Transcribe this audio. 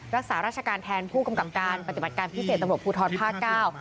รักษาราชการแทนผู้กำกับการปฏิบัติการพิเศษตำรวจภูทรภาคเก้า